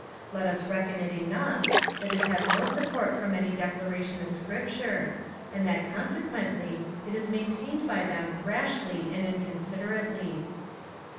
Let us reckon it enough, that it has no support from any declaration of scripture, and that, consequently, it is maintained by them rashly and inconsiderately.